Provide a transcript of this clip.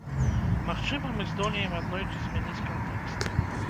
Магчыма, мы здолеем аднойчы змяніць кантэкст.